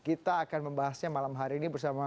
kita akan membahasnya malam hari ini bersama